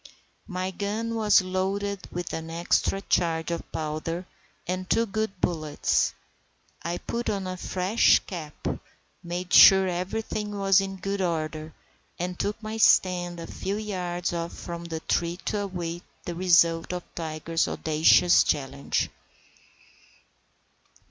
My gun was loaded with an extra charge of powder and two good bullets. I put on a fresh cap, made sure everything was in good order, and took my stand a few yards off from the tree to await the result of Tiger's audacious challenge.